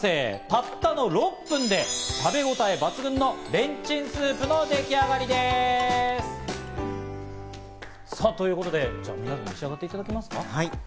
たったの６分で食べごたえ抜群のレンチンスープのでき上がりです。ということで召し上がっていただきますか。